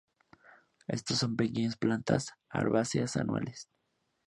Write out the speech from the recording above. Estas son pequeños plantas herbáceas anuales.